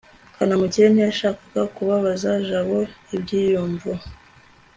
kanamugire ntiyashakaga kubabaza jabo ibyiyumvo